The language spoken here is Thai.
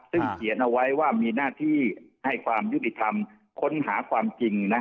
ซึ่งเขียนเอาไว้ว่ามีหน้าที่ให้ความยุติธรรมค้นหาความจริง